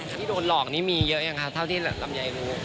ที่โดนหลอกนี่มีเยอะยังคะเท่าที่ลำไยรู้